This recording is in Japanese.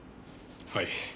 はい。